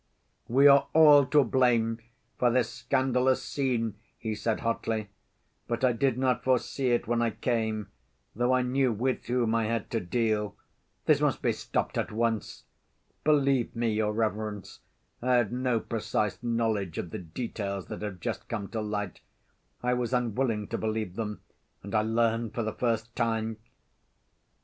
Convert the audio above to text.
"We are all to blame for this scandalous scene," he said hotly. "But I did not foresee it when I came, though I knew with whom I had to deal. This must be stopped at once! Believe me, your reverence, I had no precise knowledge of the details that have just come to light, I was unwilling to believe them, and I learn for the first time....